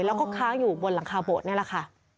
แล้วก็ค้างอยู่บนหลังคาโบสถนี่แหละค่ะ